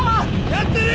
やってる！